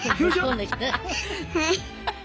はい。